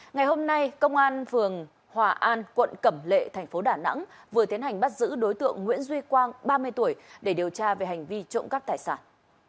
ngày hôm nay công an phường hòa an quận cẩm lệ thành phố đà nẵng vừa tiến hành bắt giữ đối tượng nguyễn duy quang ba mươi tuổi để điều tra về hành vi trộm cắp tài sản